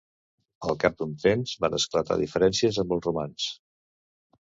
Al cap d'un temps van esclatar diferències amb els romans.